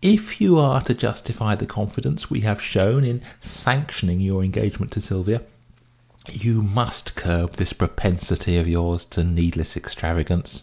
If you are to justify the confidence we have shown in sanctioning your engagement to Sylvia, you must curb this propensity of yours to needless extravagance."